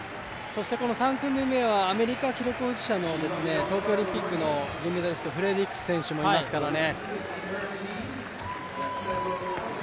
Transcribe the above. そしてこの３組目はアメリカ記録保持者の東京オリンピックの金メダリストフレリクス選手もいますからね。